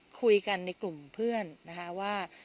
คุยกันในกลุ่มเพื่อนนะคะว่า